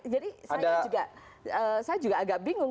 jadi saya juga agak bingung